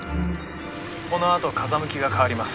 このあと風向きが変わります。